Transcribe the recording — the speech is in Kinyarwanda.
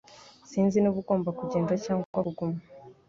Sinzi niba ugomba kugenda cyangwa kuguma